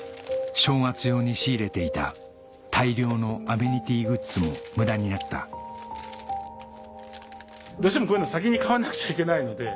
正月用に仕入れていた大量のアメニティーグッズも無駄になったどうしてもこういうの先に買わなくちゃいけないので。